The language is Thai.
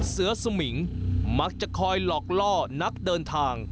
สมิงมักจะคอยหลอกล่อนักเดินทาง